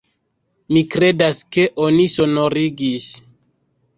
Mi kredas ke oni sonorigis.